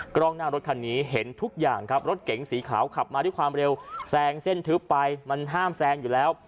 กล้องหน้ารถคันนี้เห็นทุกอย่างครับรถเก๋งสีขาวขับมาด้วยความเร็วแซงเส้นทึบไปมันห้ามแซงอยู่แล้ว